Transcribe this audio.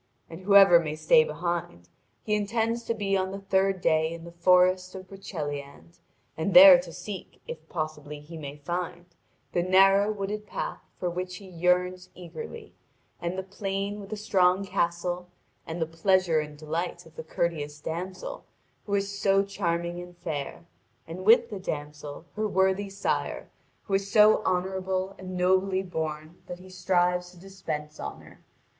And whoever may stay behind, he intends to be on the third day in the forest of Broceliande, and there to seek if possibly he may find the narrow wooded path for which he yearns eagerly, and the plain with the strong castle, and the pleasure and delight of the courteous damsel, who is so charming and fair, and with the damsel her worthy sire, who is so honourable and nobly born that he strives to dispense honour.